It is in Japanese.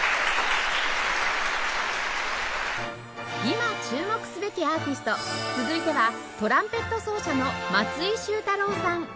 いま注目すべきアーティスト続いてはトランペット奏者の松井秀太郎さん